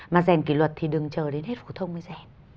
mà rèn kỷ luật thì đừng chờ đến hết phổ thông mới rẻ